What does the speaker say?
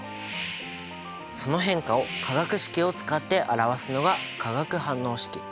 その変化を化学式を使って表すのが化学反応式。